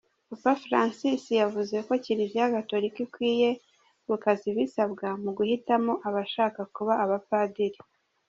Papa Francis yavuze ko Kiliziya Gatolika ikwiye "gukaza ibisabwa" mu guhitamo abashaka kuba abapadiri.